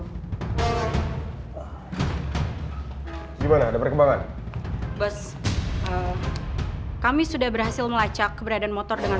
gimana ada perkembangan bus kami sudah berhasil melacak keberadaan motor dengan